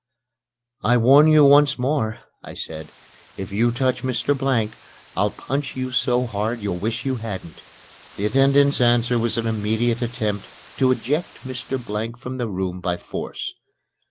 "I warn you once more," I said, "if you touch Mr. Blank, I'll punch you so hard you'll wish you hadn't." The attendant's answer was an immediate attempt to eject Mr. Blank from the room by force.